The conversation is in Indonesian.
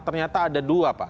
ternyata ada dua pak